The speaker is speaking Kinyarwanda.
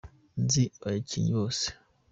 nzi abakinnyi bose.